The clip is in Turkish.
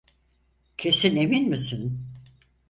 Kesin emin misin?